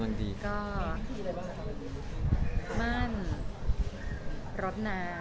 สวัสดีครับ